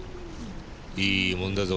いいもんだぞ。